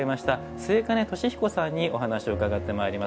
末兼俊彦さんにお話を伺ってまいります。